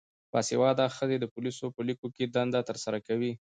باسواده ښځې د پولیسو په لیکو کې دنده ترسره کوي.